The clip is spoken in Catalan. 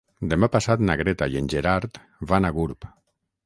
Demà passat na Greta i en Gerard van a Gurb.